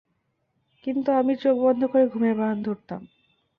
কিন্তু আমি চোখ বন্ধ করে ঘুমের ভান ধরতাম।